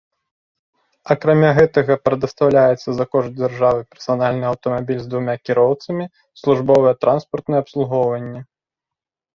Акрамя гэтага прадастаўляецца за кошт дзяржавы персанальны аўтамабіль з двума кіроўцамі, службовае транспартнае абслугоўванне.